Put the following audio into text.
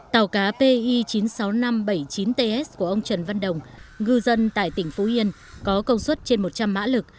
tàu cá pi chín mươi sáu nghìn năm trăm bảy mươi chín ts của ông trần văn đồng ngư dân tại tỉnh phú yên có công suất trên một trăm linh mã lực